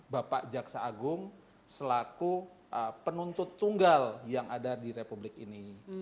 bapak jaksa agung selaku penuntut tunggal yang ada di republik ini